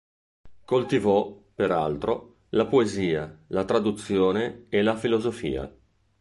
Coltivò, peraltro, la poesia, la traduzione e la filosofia.